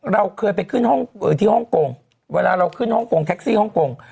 เราเคยไปขึ้นห้องเอ่อที่ห้องโกงเวลาเราขึ้นห้องโกงแท็กซี่ห้องโกง